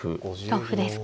同歩ですか。